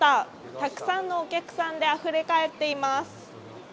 たくさんのお客さんで溢れかえっています。